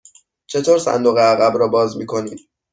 چطور صندوق عقب را باز می کنید؟